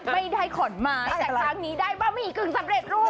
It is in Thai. ไม่ได้ขอนไม้แต่ครั้งนี้ได้บะหมี่กึ่งสำเร็จรูป